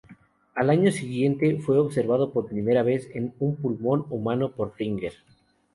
Al año siguiente fue observado por primera vez en un pulmón humano por Ringer.